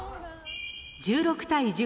１６対１３。